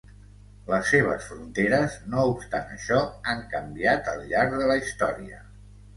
Les seves fronteres, no obstant això, han canviat al llarg de la història.